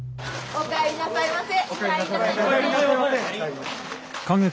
お帰りなさいませ。